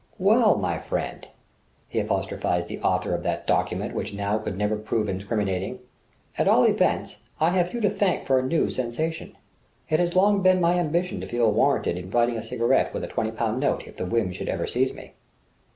"Well, my friend!" he apostrophized the author of that document which now could never prove incriminating "at all events, I have you to thank for a new sensation. It has long been my ambition to feel warranted in lighting a cigarette with a twenty pound note, if the whim should ever seize me!"